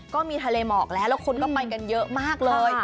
ก็มีทะเลหมอกแล้วแล้วคนก็ไปกันเยอะมากเลย